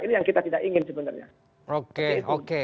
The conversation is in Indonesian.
ini yang kita tidak ingin sebenarnya